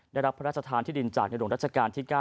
ได้รับพระราชทานที่ดินจากในหลวงรัชกาลที่๙